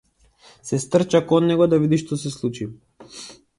Се стрча кон него да види што се случи.